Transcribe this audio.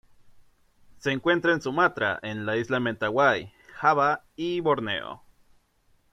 Se encuentra en Sumatra en la isla de Mentawai, Java y Borneo.